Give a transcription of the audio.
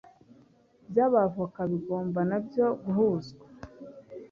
by Abavoka bigomba na byo guhuzwa